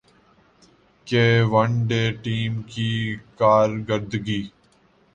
کہ one day team کی کارکردگی